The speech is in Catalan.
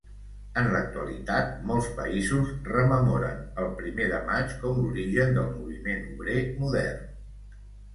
En l'actualitat, molts països rememoren el Primer de Maig com l'origen del moviment obrer modern.